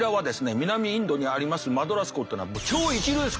南インドにありますマドラス校っていうのは超一流です